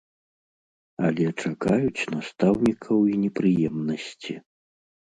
Але чакаюць настаўнікаў і непрыемнасці.